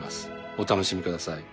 お楽しみください。